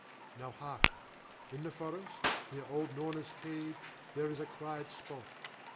Now harken. In the forest, near old Norna's cave, there is a quiet spot.